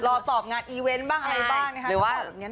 รอตอบงานอีเวนต์บ้างอะไรบ้างนะครับ